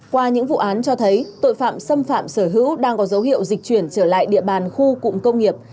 qua những vụ án cho thấy tội phạm xâm phạm sở hữu đang có dấu hiệu dịch chuyển trở lại địa bàn khu cụm công nghiệp